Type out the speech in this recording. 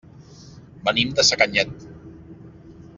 Venim de Sacanyet.